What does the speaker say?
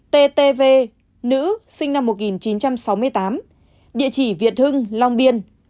một mươi ttv nữ sinh năm một nghìn chín trăm sáu mươi tám địa chỉ việt hưng long biên